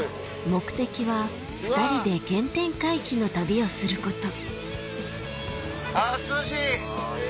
目的は２人で原点回帰の旅をすることあ涼しい！